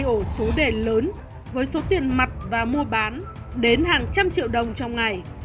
ổ số đề lớn với số tiền mặt và mua bán đến hàng trăm triệu đồng trong ngày